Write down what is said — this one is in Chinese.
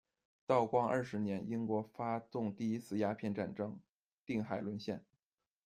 道光二十年，英国发动第一次鸦片战争，定海沦陷。